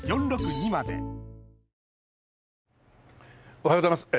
おはようございます。